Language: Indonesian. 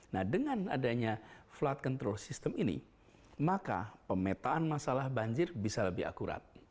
nah dengan adanya flight control system ini maka pemetaan masalah banjir bisa lebih akurat